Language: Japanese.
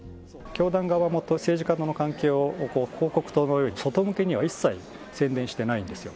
教団側も政治家との関係を広告塔のように外向けには一切宣伝してないんですよ。